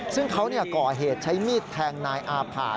ซึ่งเขาก่อเหตุใช้มีดแทงนายอาผ่า